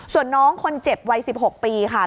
ส่วนน้องคนเจ็บวัย๑๖ปีค่ะ